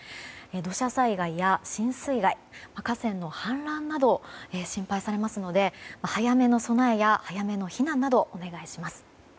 土砂災害や浸水害河川の氾濫など心配されますので早めの備えや早めの避難などお願いします。